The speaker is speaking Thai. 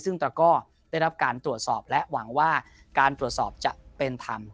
ซึ่งตระก้อได้รับการตรวจสอบและหวังว่าการตรวจสอบจะเป็นธรรม